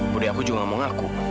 budi aku juga gak mau ngaku